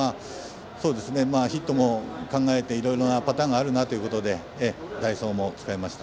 ヒットも考えていろいろなパターンがあるなということで代走も使いました。